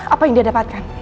apa yang dia dapatkan